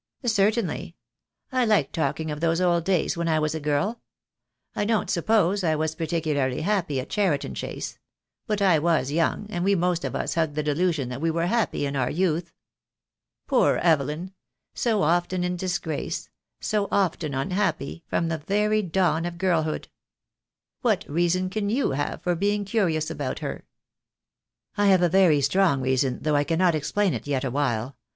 "Certainly. I like talking of those old days when I was a girl. I don't suppose I was particularly happy at Cheriton Chase; but I was young, and we most of us hug the delusion that we were happy in our youth. Poor Evelyn — so often in disgrace — so. often unhappy, from the very dawn of girlhood. What reason can you have for being curious about her?" "I have a very strong reason, though I cannot explain it yet awhile.